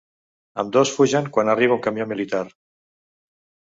Ambdós fugen quan arriba un camió militar.